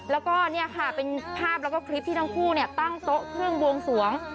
แล้วก็เนี่ยค่ะเป็นภาพแล้วก็คลิปที่ทั้งคู่ตั้งโต๊ะเครื่องบวงสวง